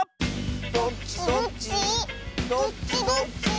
どっちどっちどっちどっち。